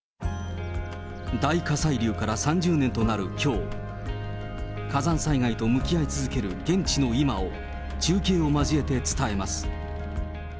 大火砕流から３０年となるきょう、火山災害と向き合い続ける現地の今を、中継を交えて伝えます。